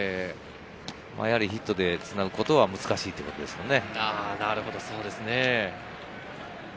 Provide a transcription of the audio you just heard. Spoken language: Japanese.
ヒットでつなぐこと難しいということですね。